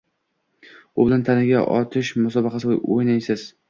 U bilan tanga otish musobaqasi o‘ynaysiz.